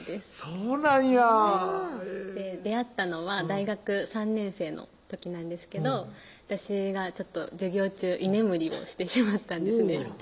そうなんや出会ったのは大学３年生の時なんですけど私がちょっと授業中居眠りをしてしまったんですね